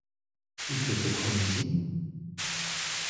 Wieviel bekommen Sie?